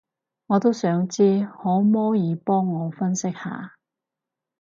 我都想知，可摸耳幫我分析下